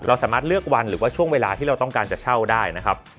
สามารถเลือกวันหรือว่าช่วงเวลาที่เราต้องการจะเช่าได้นะครับ